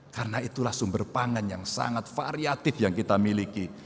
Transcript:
karena itulah sumber pangan yang sangat variatif yang kita miliki